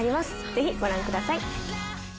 ぜひご覧ください。